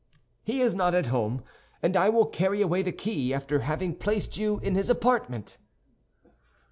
"He is not at home, and I will carry away the key, after having placed you in his apartment."